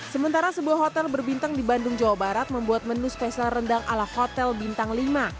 sementara sebuah hotel berbintang di bandung jawa barat membuat menu spesial rendang ala hotel bintang lima